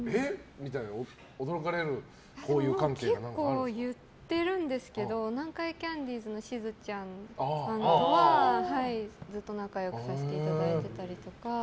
みたいに結構言ってるんですけど南海キャンディーズのしずちゃんさんとはずっと仲良くさせていただいてたりとか。